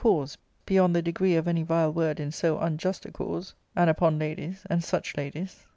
cause, beyond the degree of any vile word in so unjust a cause, and upon ladies, and such ladies.